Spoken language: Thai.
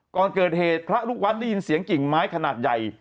ก่อนเกิดเหตุพระลูกวัดได้ยินเสียงกิ่งไม้ขนาดใหญ่